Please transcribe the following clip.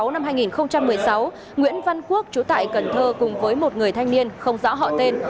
năm hai nghìn một mươi sáu nguyễn văn quốc chú tại cần thơ cùng với một người thanh niên không rõ họ tên